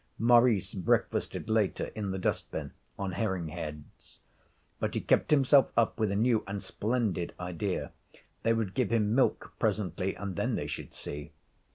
Maurice breakfasted later, in the dust bin, on herring heads. But he kept himself up with a new and splendid idea. They would give him milk presently, and then they should see.